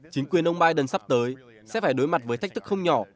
chính quyền ông biden sắp tới sẽ phải đối mặt với thách thức không nhỏ